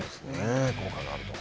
効果があると。